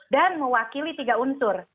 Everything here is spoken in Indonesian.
dan mewakili tiga unsur